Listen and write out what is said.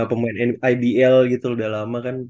pemain ibl gitu udah lama kan